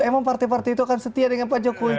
emang partai partai itu akan setia dengan pak jokowi